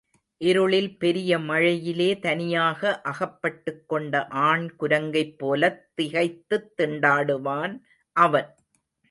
இருளில் பெரிய மழையிலே தனியாக அகப்பட்டுக் கொண்ட ஆண் குரங்கைப் போலத் திகைத்துத் திண்டாடுவான் அவன்.